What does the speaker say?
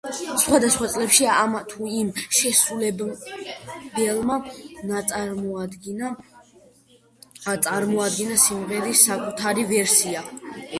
სხვადასხვა წლებში ამა თუ იმ შემსრულებელმა წარმოადგინა სიმღერის საკუთარი ვერსია.